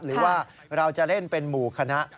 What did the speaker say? อย่างนี้ว่าเราจะเล่นเป็นหมู่คณะ